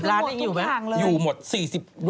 ๔๐ล้านเองอยู่ไหมอยู่หมด๔๐หมดทุกทางเลย